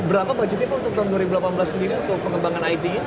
berapa budgetnya pak untuk tahun dua ribu delapan belas sendiri untuk pengembangan it